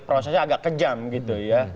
prosesnya agak kejam gitu ya